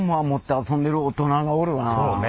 そうね。